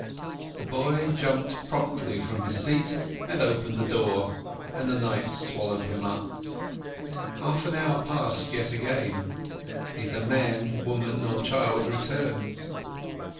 The boy jumped promptly from his seat, and opened the door, and the night swallowed him up. Half an hour passed yet again; neither man, woman, nor child returned.